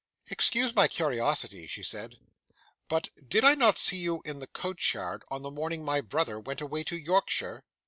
'Excuse my curiosity,' she said, 'but did I not see you in the coachyard, on the morning my brother went away to Yorkshire?